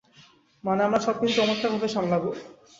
মানে আমরা সবকিছু চমৎকারভাবে সামলাবো।